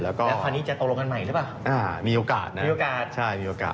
แล้วคราวนี้จะตกลงกันใหม่หรือเปล่า